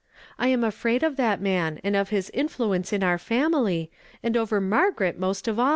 I am afraid of that man, and of liis influ ence in our family, and over Ahirgaret most of aU.